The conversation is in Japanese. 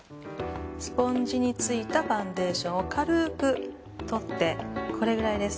スポンジについたファンデーションを軽く取ってこれくらいです。